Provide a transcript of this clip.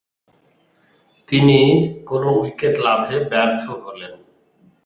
তিনি কোন উইকেট লাভে ব্যর্থ হন।